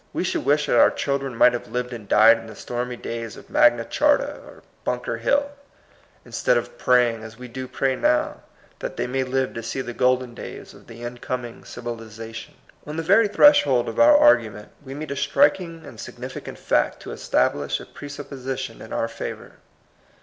37 we should wish that our children might have lived and died in the stormy days of Magna Charta or Bunker Hill, instead of praying, as we do pray now, that they may live to see the golden days of the incoming civilization. On the very threshold of our argument we meet a striking and significant fact to establish a presupposition in our favor.